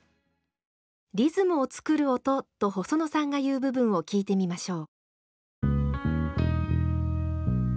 リズムを作る音と細野さんが言う部分を聴いてみましょう。